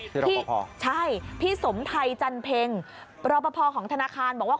พี่ใช่พี่สมไทยจันเพ็งรอปภของธนาคารบอกว่า